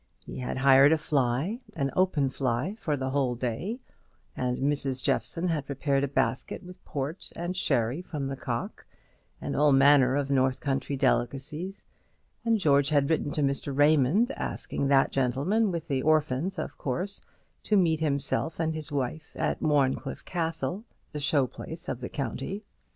He had hired a fly an open fly for the whole day, and Mrs. Jeffson had prepared a basket with port and sherry from the Cock, and all manner of north country delicacies; and George had written to Mr. Raymond, asking that gentleman, with the orphans of course, to meet himself and his wife at Warncliffe Castle, the show place of the county.